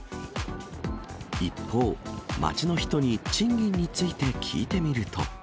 一方、街の人に賃金について聞いてみると。